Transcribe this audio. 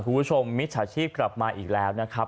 คุณผู้ชมมิตรชาชีพกลับมาอีกแล้วนะครับ